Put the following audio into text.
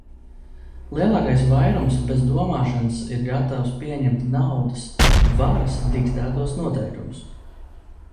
Lielākais vairums bez domāšanas ir gatavs pieņemt naudas varas diktētos noteikumus.